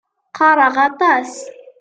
Qqareɣ aṭas.